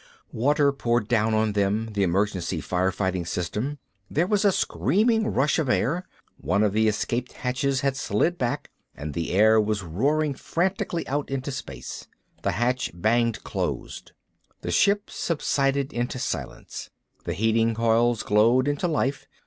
Water poured down on them, the emergency fire fighting system. There was a screaming rush of air. One of the escape hatches had slid back, and the air was roaring frantically out into space. The hatch banged closed. The ship subsided into silence. The heating coils glowed into life.